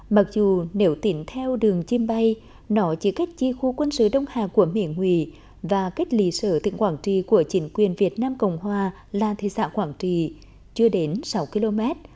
mặc dù nếu tín theo đường chim bay nó chỉ cách chi khu quân sự đông hà của miền nguy và cách ly sở tỉnh quảng trì của chính quyền việt nam cộng hòa là thị xã quảng trì chưa đến sáu km